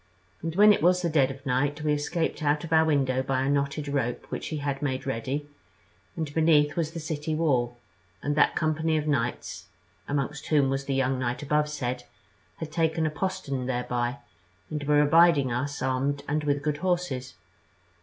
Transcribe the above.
And when it was the dead of night we escaped out of our window by a knotted rope which he had made ready, and beneath was the city wall; and that company of knights, amongst whom was the young knight abovesaid, had taken a postern thereby, and were abiding us armed and with good horses.